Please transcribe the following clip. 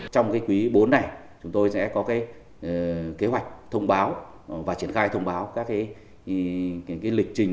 trong cái quý bốn này chúng tôi sẽ có cái kế hoạch thông báo và triển khai thông báo các cái lịch trình